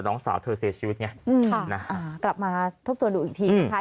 น้องสาวเธอเสียชีวิตไงกลับมาทบตัวดูอีกที